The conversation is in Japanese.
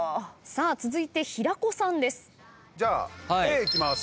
さあ続いて竹山さんです。